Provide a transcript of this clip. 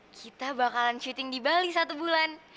kita bakalan syuting di bali satu bulan